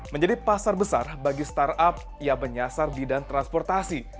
menjadi pasar besar bagi startup yang menyasar bidang transportasi